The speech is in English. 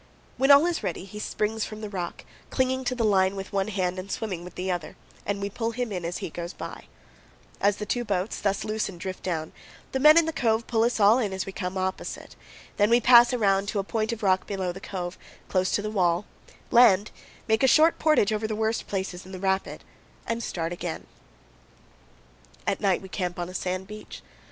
When all is ready, he springs from the rock, clinging to the line with one hand and swimming with the other, and we pull him in as he goes by. As the two boats, thus loosened, drift down, the men powell canyons 132.jpg LIGHTHOUSE BOCK, CANYON OF DESOLATION. in the cove pull us all in as we come opposite; then we pass around to a point of rock below the cove, close to the wall, land, make a short portage over the worst places in the rapid, and start again. At night we camp on a sand beach.